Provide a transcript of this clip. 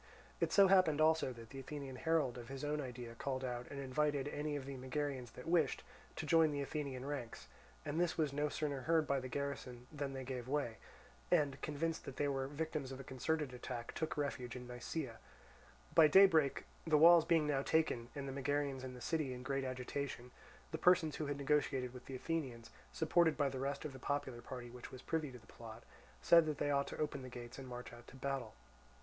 It so happened also that the Athenian herald of his own idea called out and invited any of the Megarians that wished, to join the Athenian ranks; and this was no sooner heard by the garrison than they gave way, and, convinced that they were the victims of a concerted attack, took refuge in Nisaea. By daybreak, the walls being now taken and the Megarians in the city in great agitation, the persons who had negotiated with the Athenians, supported by the rest of the popular party which was privy to the plot, said that they ought to open the gates and march out to battle.